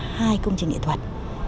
hai công trình nghệ thuật